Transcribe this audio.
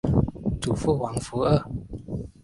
祖父黄福二。